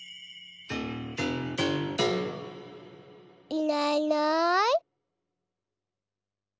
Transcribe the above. いないいない。